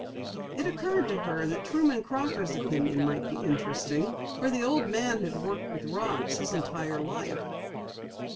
It occurred to her that Truman Crocker's opinion might be interesting for the old man had worked with rocks his entire life.